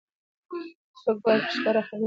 څوګ باید په ښکاره خبرې وکړي.